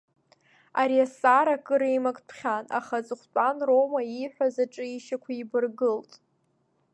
Ари азҵаара кыр еимактәхан, аха аҵыхәтәан Рома ииҳәаз аҿы ишьақәибаргылт.